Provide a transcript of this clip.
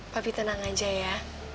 papi tenang aja ya